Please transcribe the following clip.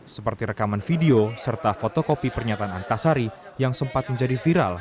seperti rekaman video serta fotokopi pernyataan antasari yang sempat menjadi viral